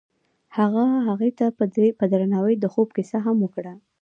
هغه هغې ته په درناوي د خوب کیسه هم وکړه.